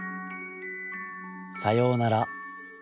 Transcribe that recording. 『さようなら』